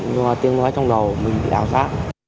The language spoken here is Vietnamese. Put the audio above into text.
do tiếng nói trong đầu mình bị đảo giá